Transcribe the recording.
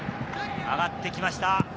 上がってきました。